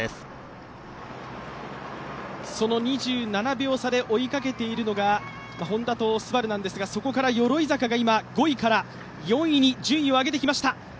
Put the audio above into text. その２７秒差で追いかけているのがＨｏｎｄａとＳＵＢＡＲＵなんですが、そこから鎧坂が今、５位から４位に順位を上げてきました。